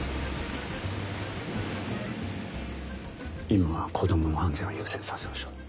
今は子どもの安全を優先させましょう。